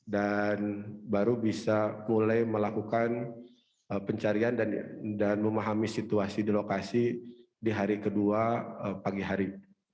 dan baru bisa mulai melakukan pencarian dan memahami situasi di lokasi di hari kedua pagi hari